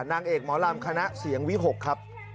นางเอกหมอลำคณะเสียงวิหกครับ